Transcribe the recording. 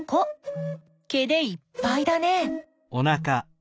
毛でいっぱいだね。